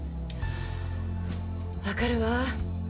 分かるわ。